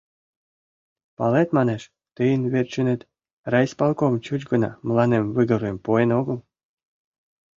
— Палет, — манеш, — тыйын верчынет райисполком чуч гына мыланем выговорым пуэн огыл?